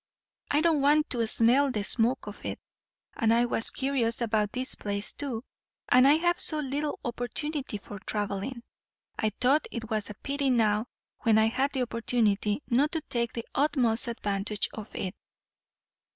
I don't want to smell the smoke of it. And I was curious about this place too; and I have so little opportunity for travelling, I thought it was a pity now when I had the opportunity, not to take the utmost advantage of it.